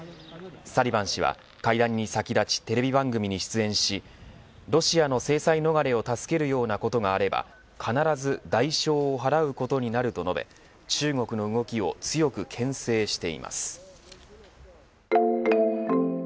サリバン氏は会談に先立ちテレビ番組に出演しロシアの制裁逃れを助けるようなことがあれば必ず代償を払うことになると述べ中国の動きを強くけん制しています。